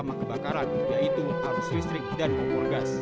pertama kebakaran yaitu haus listrik dan kompor gas